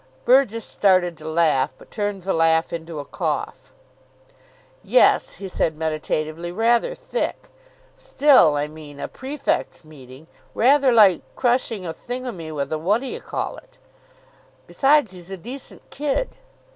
Burgess started to laugh, but turned the laugh into a cough. "Yes," he said meditatively. "Rather thick. Still, I mean A prefects' meeting. Rather like crushing a thingummy with a what d'you call it. Besides, he's a decent kid."